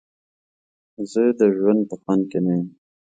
زه د ژوند په خوند کې نه یم.